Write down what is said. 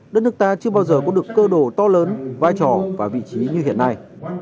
đất nước ta chưa bao giờ có được cơ đồ to lớn vai trò và vị trí như hiện nay